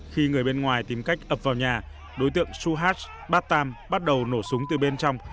khi người bên ngoài tìm cách ập vào nhà đối tượng suhat battam bắt đầu nổ súng từ bên trong